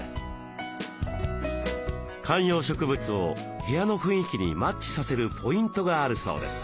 観葉植物を部屋の雰囲気にマッチさせるポイントがあるそうです。